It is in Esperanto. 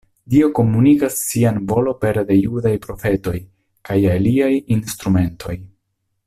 Dio komunikas sian volon pere de judaj profetoj kaj aliaj instrumentoj.